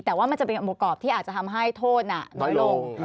แต่ว่ามันจะเป็นองค์ประกอบที่อาจจะทำให้โทษน้อยลง